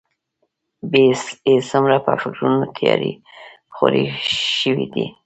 يې څومره په فکرونو تيارې خورې شوي دي.